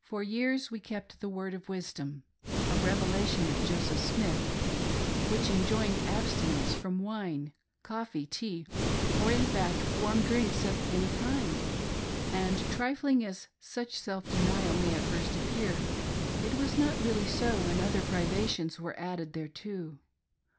For years we kept " The Word of Wisdom "—■ a " Revelation of Joseph Smith," which enjoined abstinence from wine, coffee, tea, or, in fact, warm drinks of any kind ; and trifling as such self denial may at first appear, it was not really so when other privations were added thereto.